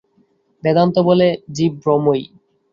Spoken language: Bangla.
বেদান্ত বলে, জীব ব্রহ্মই।